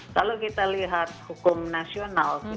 kalau kita lihat hukum nasional